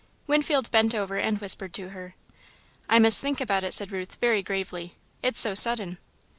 Winfield bent over and whispered to her. "I must think about it," said Ruth, very gravely, "it's so sudden."